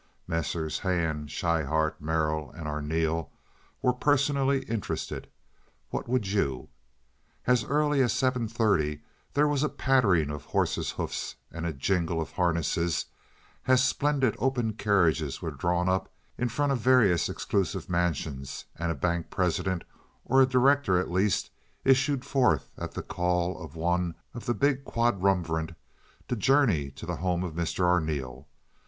Messrs. Hand, Schryhart, Merrill, and Arneel were personally interested! What would you? As early as seven thirty there was a pattering of horses' hoofs and a jingle of harness, as splendid open carriages were drawn up in front of various exclusive mansions and a bank president, or a director at least, issued forth at the call of one of the big quadrumvirate to journey to the home of Mr. Arneel.